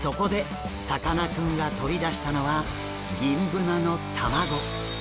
さかなクンが取り出したのはギンブナの卵。